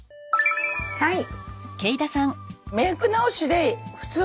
はい。